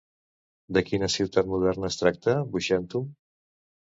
De quina ciutat moderna es tracta Buxèntum?